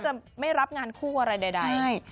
จะไม่รับงานคู่อะไรใด